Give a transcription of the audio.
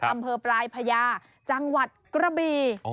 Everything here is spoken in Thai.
อำเภอปลายพญาจังหวัดกระบี